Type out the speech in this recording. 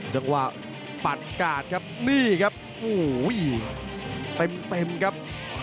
จังหวะปัดกาดครับนี่ครับโอ้โหเต็มครับ